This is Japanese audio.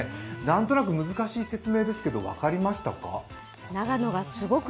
なんとなく難しい説明でしたけど分かりましたか？